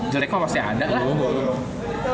jelek emang pasti ada lah